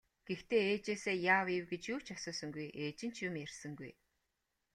Гэхдээ ээжээсээ яав ийв гэж юу ч асуусангүй, ээж нь ч юм ярьсангүй.